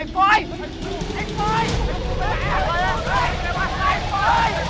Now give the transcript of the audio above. เฮ้ยเฮ้ยไอ้ฟ้อยไอ้ฟ้อย